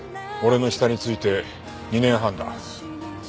俺の下について２年半だ。